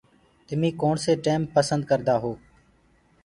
تمي ڪوڻسي ٽيم پسند ڪردآ هو۔